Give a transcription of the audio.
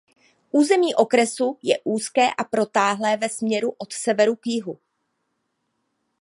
Území okresu je úzké a protáhlé ve směru od severu k jihu.